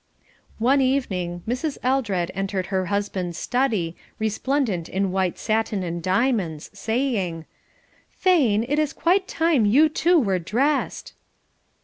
One evening Mrs. Eldred entered her husband's study, resplendent in white satin and diamonds, saying: "Thane, it is quite time you too were dressed."